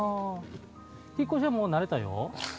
引っ越しは慣れたよ。